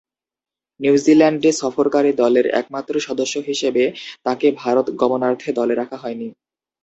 নিউজিল্যান্ডে সফরকারী দলের একমাত্র সদস্য হিসেবে তাকে ভারত গমনার্থে দলে রাখা হয়নি।